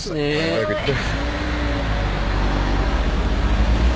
早く行って。